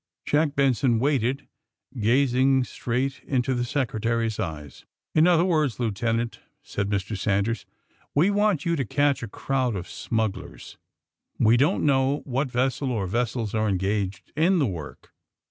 Jack Benson waited, gazing straight into the Secretary's eyes. *^In other words, Lieutenant," said Mr. San ders, '*we want you to catch a crowd of smug glers. We don't know what vessel, or vessels, are engaged in the work.